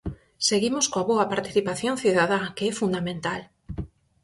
Seguimos coa boa participación cidadá, que é fundamental.